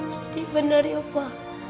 jadi bener ya papa